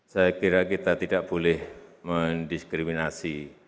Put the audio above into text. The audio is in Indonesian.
saya kira kita tidak boleh mendiskriminasi